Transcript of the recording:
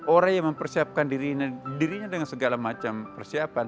orang yang mempersiapkan dirinya dengan segala macam persiapan